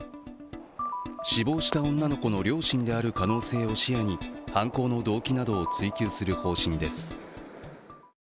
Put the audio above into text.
死亡した女の子の両親である可能性を視野に、犯行の動機などを追及する方針です。